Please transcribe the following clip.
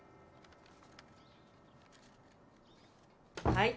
はい。